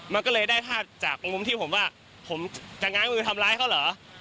มันก็เลยได้ภาพจากมุมที่ผมว่าผมจะง้ายมือทำร้ายเขาเหรอ